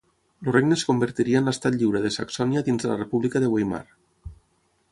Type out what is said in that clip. El regne es convertiria en l'Estat Lliure de Saxònia dins de la república de Weimar.